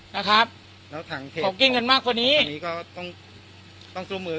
นะครับแล้วถ่างเทศของแค่การมากกว่านี้ก็ต้องต้องสั่นนมือ